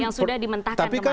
yang sudah dimentahkan kemarin